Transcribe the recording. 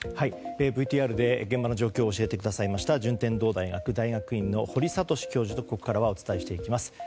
ＶＴＲで現場の状況を教えてくださいました順天堂大学大学院の堀賢教授とここからはお伝えしていきます。